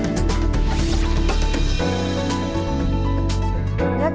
keberagaman suku ras agama